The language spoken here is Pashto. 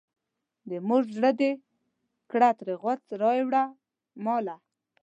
د مور زړه دې کړه ترې غوڅ رایې وړه ماله.